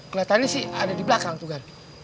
kelihatan ini sih ada di belakang tuh gan